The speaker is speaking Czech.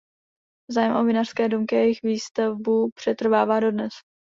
Zájem o vinařské domky a jejich výstavbu přetrvává dodnes.